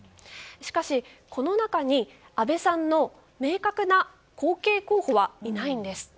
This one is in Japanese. しかしこの中に安倍さんの明確な後継候補はいないんです。